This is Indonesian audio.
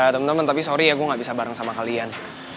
temen temen tapi sorry ya gue nggak bisa bareng sama kalian